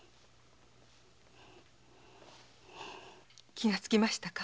気がつきましたか。